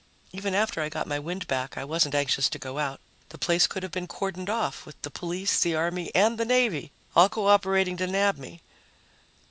Even after I got my wind back, I wasn't anxious to go out. The place could have been cordoned off, with the police, the army and the navy all cooperating to nab me.